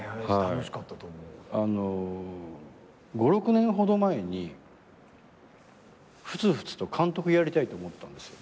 ５６年ほど前にふつふつと監督やりたいって思ったんですよ。